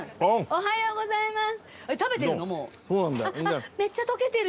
おはようございます。